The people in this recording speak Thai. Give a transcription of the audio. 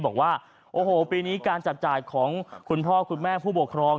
บอกว่าโอ้โหปีนี้การจับจ่ายของคุณพ่อคุณแม่ผู้ปกครอง